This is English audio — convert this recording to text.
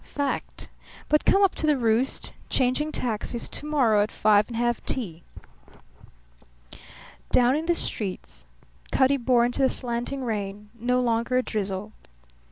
"Fact. But come up to the roost changing taxis to morrow at five and have tea." Down in the street Cutty bore into the slanting rain, no longer a drizzle.